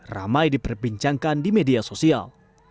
ramai diperbincangkan di media sosial